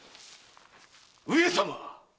上様！